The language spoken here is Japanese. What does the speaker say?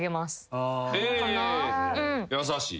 優しい。